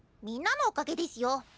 みんなのおかげですよ！